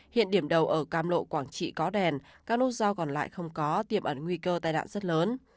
hiện điểm đầu ở cam lộ quảng trị có đèn các nút giao còn lại không có tiềm ẩn nguy cơ tai đạn rất lớn